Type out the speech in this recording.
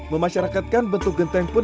memasyarakatkan bentuk genting pun